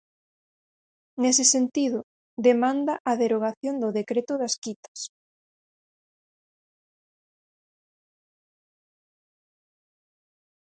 Nese sentido, demanda a derogación do Decreto das quitas.